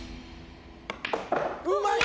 うまい！